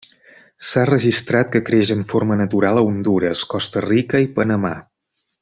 S'ha registrat que creix en forma natural a Hondures, Costa Rica i Panamà.